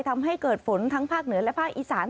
ทำให้เกิดฝนทั้งภาคเหนือและภาคอีสาน